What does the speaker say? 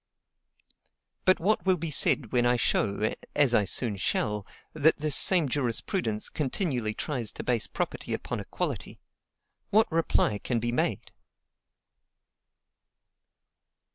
But what will be said when I show, as I soon shall, that this same jurisprudence continually tries to base property upon equality? What reply can be made?